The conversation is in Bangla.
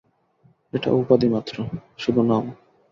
এটা উপাধি মাত্র, শুধু নাম।